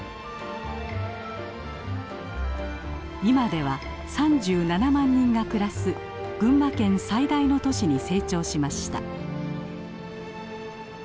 今では３７万人が暮らす群馬県最大の都市に成長しました。